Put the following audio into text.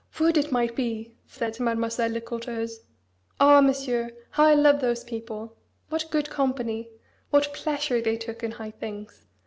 "Would it might be!" said Mademoiselle de Courteheuse. "Ah! Monsieur, how I love those people! What good company! What pleasure they took in high things!